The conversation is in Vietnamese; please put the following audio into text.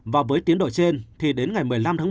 và với tiến độ trên thì đến ngày một mươi năm một mươi